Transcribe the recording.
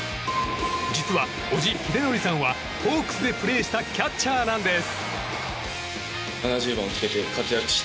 実は、叔父・秀則さんはホークスでプレーしたキャッチャーなんです。